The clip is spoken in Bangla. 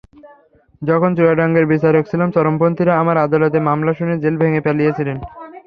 যখন চুয়াডাঙ্গার বিচারক ছিলাম, চরমপন্থীরা আমার আদালতে মামলা শুনে জেল ভেঙে পালিয়েছিল।